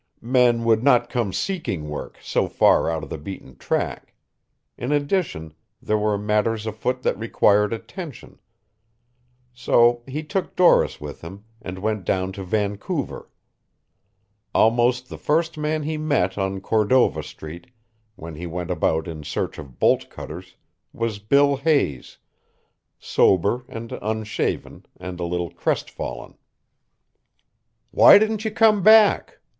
Men would not come seeking work so far out of the beaten track. In addition, there were matters afoot that required attention. So he took Doris with him and went down to Vancouver. Almost the first man he met on Cordova Street, when he went about in search of bolt cutters, was Bill Hayes, sober and unshaven and a little crestfallen. "Why didn't you come back?"